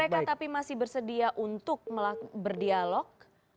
apakah mereka tapi masih bersedia untuk berdialog